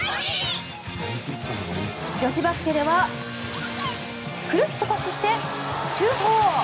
女子バスケではくるっとパスしてシュート。